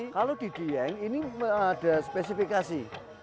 kalau di dieng ini ada spesifikasi